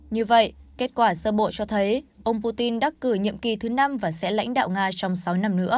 như vậy kết quả sơ bộ cho thấy ông putin đắc cử nhiệm kỳ thứ năm và sẽ lãnh đạo nga trong sáu năm nữa